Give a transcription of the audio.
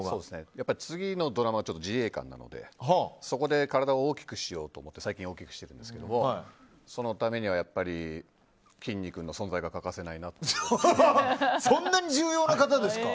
次のドラマ、自衛官なのでそこで体を大きくしようと思って最近大きくしてるんですけどそのためにはやっぱりきんに君の存在がそんなに重要な方ですか？